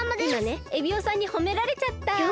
いまねエビオさんにほめられちゃった！